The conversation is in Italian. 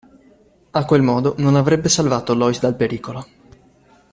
A quel modo, non avrebbe salvato Lois dal pericolo.